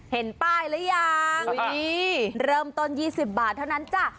เห็นป้ายหรือยังเริ่มต้น๒๐บาทเท่านั้นจ้ะ